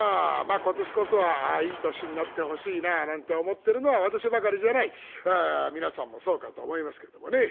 今年こそはいい年になってほしいななんて思っているのは私ばかりじゃない皆さんもそうかと思いますけどもね。